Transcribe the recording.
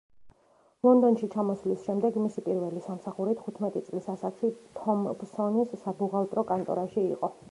ლონდონში ჩამოსვლის შემდეგ მისი პირველი სამსახური თხუთმეტი წლის ასაკში თომპსონის საბუღალტრო კანტორაში იყო.